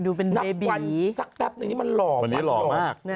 ดูเป็นเบบีนับวันสักแป๊บหนึ่งนี่มันรอมาก